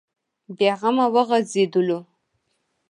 بې غمه وغځېدلو.